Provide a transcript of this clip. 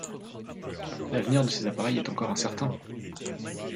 L'avenir de ces appareils est encore incertain.